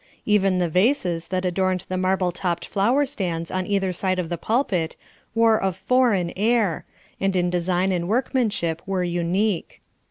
Even the vases that adorned the marble topped flower stands on either side of the pulpit wore a foreign air, and in design and workmanship were unique.